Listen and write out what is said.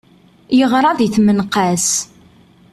Yeɣra di tmenqas.